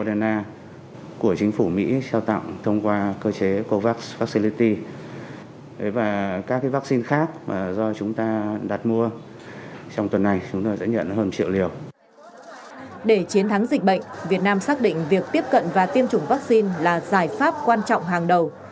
để chiến thắng dịch bệnh việt nam xác định việc tiếp cận và tiêm chủng vaccine là giải pháp quan trọng hàng đầu